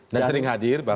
dan sering hadir bahkan